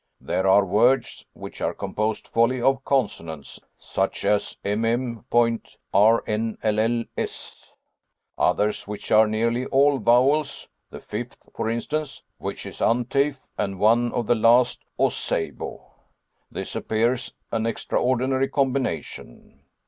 There are words which are composed wholly of consonants, such as mm.rnlls, others which are nearly all vowels, the fifth, for instance, which is unteief, and one of the last oseibo. This appears an extraordinary combination.